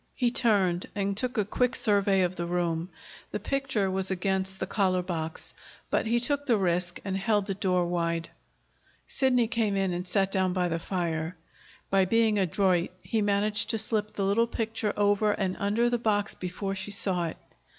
He turned and took a quick survey of the room. The picture was against the collar box. But he took the risk and held the door wide. Sidney came in and sat down by the fire. By being adroit he managed to slip the little picture over and under the box before she saw it.